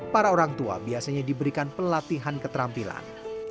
para orang tua biasanya diberikan pelatihan keterampilan